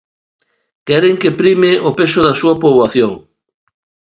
Queren que prime o peso da súa poboación.